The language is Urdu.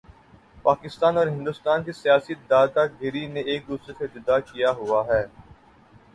پاکستان اور ہندوستان کی سیاسی دادا گری نے ایک دوسرے سے جدا کیا ہوا ہے